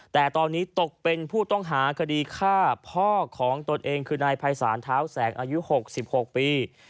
แต่ตอนนี้ตกเป็นผู้ต้องหาคดีฆ่าพ่อของตนเองคือนายภัยศาลเท้าแสงอายุ๖๖ปี